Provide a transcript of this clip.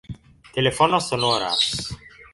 Telefono sonoras